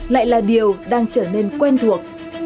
lại là điều đang trở nên quen thuộc